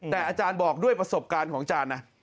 แต่อาจารย์บอกด้วยประสบการณ์ของอาจารย์นะ